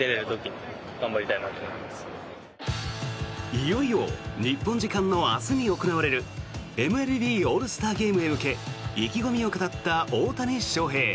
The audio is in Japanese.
いよいよ日本時間の明日に行われるＭＬＢオールスターゲームへ向け意気込みを語った大谷翔平。